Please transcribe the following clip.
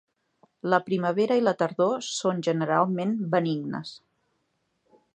La primavera i la tardor són generalment benignes.